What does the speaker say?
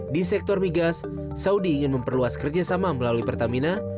di sektor migas saudi ingin memperluas kerjasama melalui pertamina